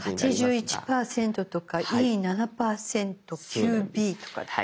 ８１％とかＥ７％９Ｂとかって。